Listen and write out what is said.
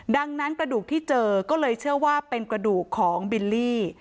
ดังนั้นกระดูกที่เจอก็เลยเชื่อว่าเป็นกระดูกของบิลลี่